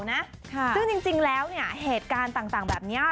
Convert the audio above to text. ซึ่งจริงแล้วเนี่ยเหตุการณ์ต่างแบบนี้